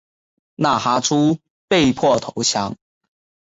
纳哈出被迫投降。